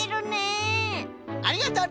ありがとね！